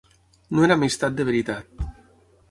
No era amistat de veritat.